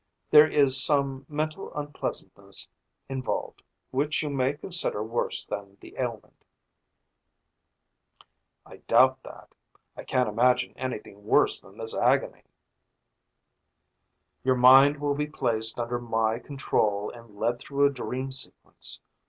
There is some mental unpleasantness involved which you may consider worse than the ailment." "I doubt that. I can't imagine anything worse than this agony." "Your mind will be placed under my control and led through a dream sequence.